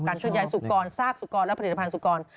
การช่วยใหญ่สุกรรซากสุกรรและผลิตภัณฑ์สุกรร